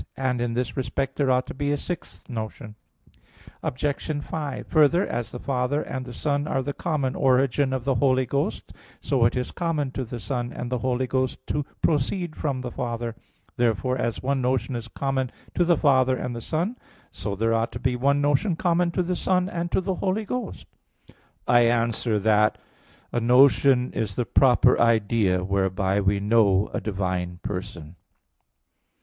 And in this respect there ought to be a sixth notion. Obj. 5: Further, as the Father and the Son are the common origin of the Holy Ghost, so it is common to the Son and the Holy Ghost to proceed from the Father. Therefore, as one notion is common to the Father and the Son, so there ought to be one notion common to the Son and to the Holy Ghost. I answer that, A notion is the proper idea whereby we know a divine Person.